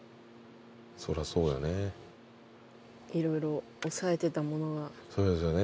そらそうやねいろいろ抑えてたものがそうですよね